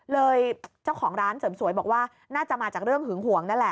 เจ้าของร้านเสริมสวยบอกว่าน่าจะมาจากเรื่องหึงหวงนั่นแหละ